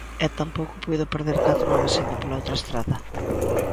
E tampouco puido perder catro horas indo pola outra estrada.